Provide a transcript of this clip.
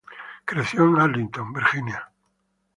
Creció en Arlington, Virginia.